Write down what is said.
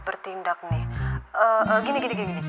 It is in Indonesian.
bertindak nih gini